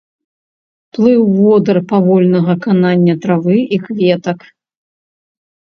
Плыў водар павольнага канання травы і кветак.